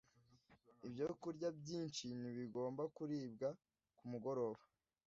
ibyokurya byinshi ntibigomba kuribwa ku mugoroba